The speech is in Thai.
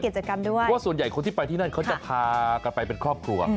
ว่าส่วนใหญ่คนที่ไปที่นั่นเขาจะพากันไปเป็นครอบครัว